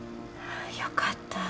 よかった。